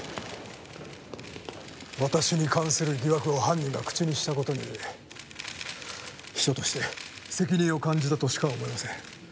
私に関する疑惑を犯人が口にした事に秘書として責任を感じたとしか思えません。